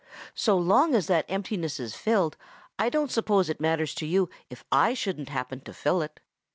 So long as that emptiness is filled, I don't suppose it matters to you if I shouldn't happen to fill it.'